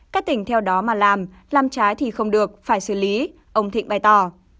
các tỉnh theo đó mà làm làm trái thì không được phải xử lý ông thịnh bày tỏ